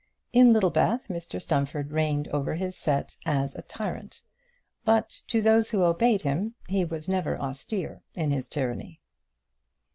In Littlebath Mr Stumfold reigned over his own set as a tyrant, but to those who obeyed him he was never austere in his tyranny.